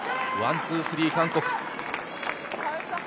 ワン、ツー、スリー、韓国。